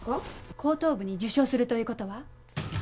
後頭部に受傷するという事は？